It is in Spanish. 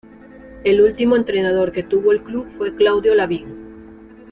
El último entrenador que tuvo el club fue Claudio Lavín.